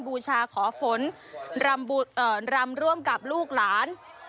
บูชาขอฝนรำร่วมกับลูกหลาน